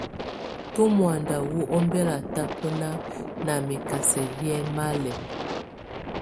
Tù mɔ̀ánda wù ɔmbɛla tabɔna na mɛkasɛ yɛ malɛ.